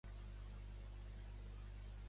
Anteriorment fou representada per Jean Augustine.